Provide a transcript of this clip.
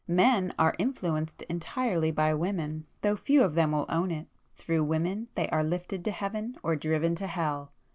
Men are influenced entirely by women, though few of them will own it,—through women they are lifted to heaven or driven to hell.